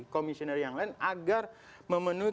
komisioner yang lain agar memenuhi